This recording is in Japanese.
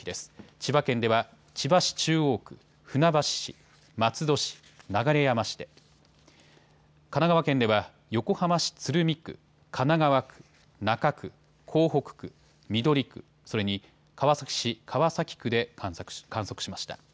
千葉県では千葉市中央区、船橋市、松戸市、流山市で、神奈川県では横浜市鶴見区、神奈川区、中区、港北区、緑区、それに川崎市川崎区で観測しました。